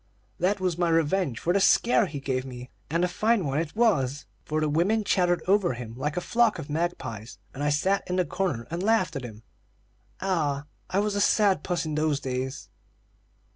That was my revenge for the scare he gave me, and a fine one it was; for the women chattered over him like a flock of magpies, and I sat in the corner and laughed at him. Ah, I was a sad puss in those days!"